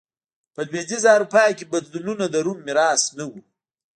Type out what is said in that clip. په لوېدیځه اروپا کې بدلونونه د روم میراث نه و